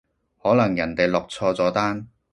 可能人哋落錯咗單